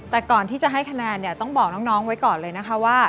แต่ก่อนที่จะให้คะแนนเนี่ยต้องบอกน้องไว้ก่อนเลยนะคะว่า